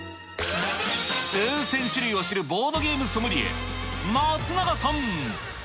数千種類を知るボードゲームソムリエ、松永さん。